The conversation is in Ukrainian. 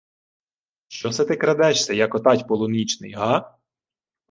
— Що се ти крадешся, яко тать полунічний, га?